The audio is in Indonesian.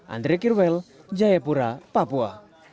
andre kirwel jayapura papua